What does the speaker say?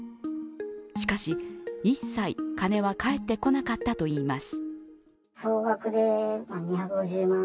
しかし、一切、金は返ってこなかったといいます。